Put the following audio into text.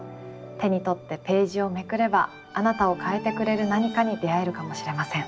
手に取ってページをめくればあなたを変えてくれる何かに出会えるかもしれません。